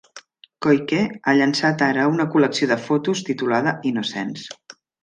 Koike ha llançat ara una col·lecció de fotos titulada Innocence.